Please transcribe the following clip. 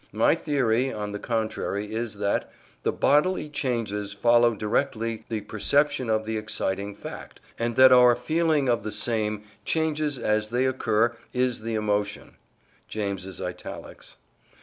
My theory, on the contrary, is that THE BODILY CHANGES FOLLOW DIRECTLY THE PERCEPTION OF THE EXCITING FACT, AND THAT OUR FEELING OF THE SAME CHANGES AS THEY OCCUR IS THE EMOTION (James's italics).